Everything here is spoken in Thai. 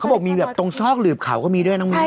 บอกมีแบบตรงซอกหลืบเขาก็มีด้วยน้องมิ้น